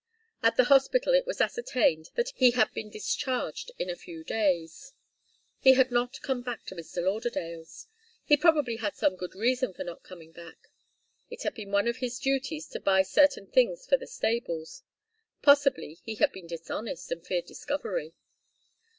At the hospital it was ascertained that he had been discharged in a few days. He had not come back to Mr. Lauderdale's. He probably had some good reason for not coming back. It had been one of his duties to buy certain things for the stables. Possibly he had been dishonest and feared discovery.